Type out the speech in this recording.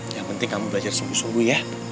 yang penting kamu belajar sungguh sungguh ya